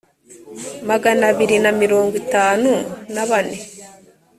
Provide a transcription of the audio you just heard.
magana abiri na mirongo itanu na bane